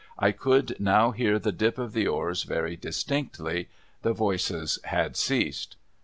I could now hear the dip of the oars very distinctly; the voices had ceased.